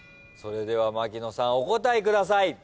それでは槙野さんお答えください。